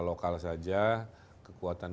lokal saja kekuatan